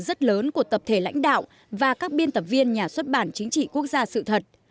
rất lớn của tập thể lãnh đạo và các biên tập viên nhà xuất bản chính trị quốc gia sự thật